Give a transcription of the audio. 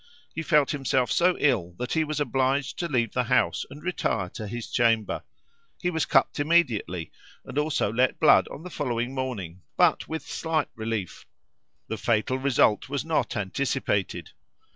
He felt himself so ill that he was obliged to leave the House and retire to his chamber. He was cupped immediately, and also let blood on the following morning, but with slight relief. The fatal result was not anticipated.